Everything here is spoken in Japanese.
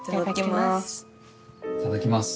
いただきます。